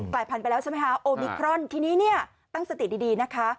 ลายพันธุ์ไปแล้วใช่ไหมคะโอมิครอนทีนี้เนี่ยตั้งสติดีนะคะ